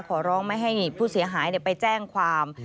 ขอร้องไม่ให้ผู้เสียหายไปแจ้งความ